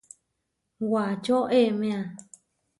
Wačo eméa.